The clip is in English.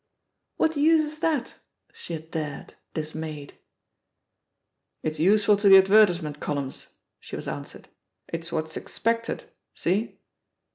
What use is that?" she had dared, dismayed. It's useful to the advertisement columns," she was answered ; "it's what's expected. See